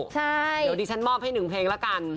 เดี๋ยวดิฉันมอบให้๑เพลงแล้วกัน